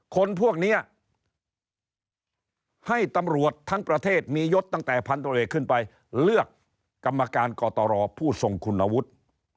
คนพวกนี้ให้ตำรวจทั้งประเทศมียศตั้งแต่พันธุรกิจขึ้นไปเลือกกรรมการกตรผู้ทรงคุณวุฒิ